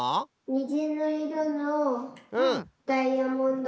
にじのいろのダイヤモンド。